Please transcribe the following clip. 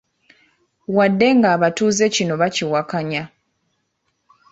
Wadde ng'abatuuze kino bakiwakanya.